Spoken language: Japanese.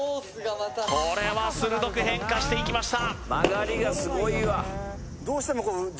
これは鋭く変化していきました